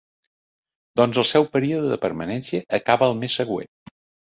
Doncs el seu període de permanència acaba el mes següent.